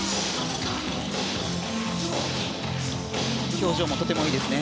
表情もとてもいいですね。